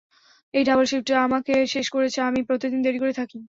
এই double shift আমাকে শেষ করেছে, আমি প্রতিদিন দেরি করে থাকি।